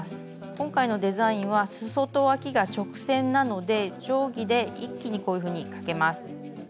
今回のデザインはすそとわきが直線なので定規で一気にこういうふうに描けます。